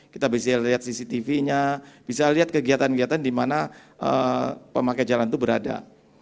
kita bisa lihat cctv nya bisa lihat kegiatan kegiatan di mana pemakai jalan itu berada